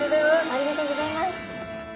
ありがとうございます。